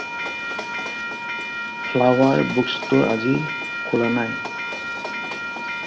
Flower book store আজি খোলা নাই।